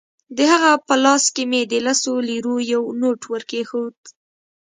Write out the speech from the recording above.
د هغه په لاس کې مې د لسو لیرو یو نوټ ورکېښود.